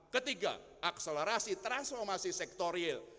ketiga akselerasi transformasi sektor real